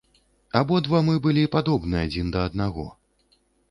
Абодва мы былі падобны адзін да аднаго.